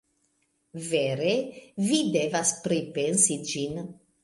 Vere, mi devas pripensi ĝin.